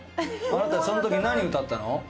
「あなたその時何歌ったの？」。